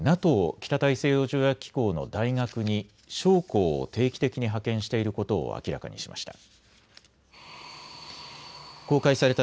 ・北大西洋条約機構の大学に将校を定期的に派遣していることを明らかにしました。